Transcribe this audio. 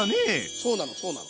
そうなのそうなの。